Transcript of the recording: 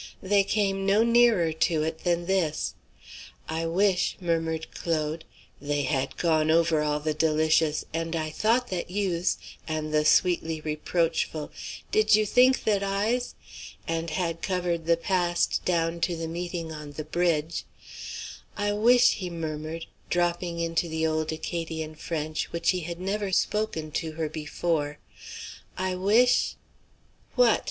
They came no nearer to it than this, "I wish," murmured Claude, they had gone over all the delicious "And I thought that you's" and the sweetly reproachful "Did you think that I's," and had covered the past down to the meeting on the bridge, "I wish," he murmured, dropping into the old Acadian French, which he had never spoken to her before, "I wish" "What?"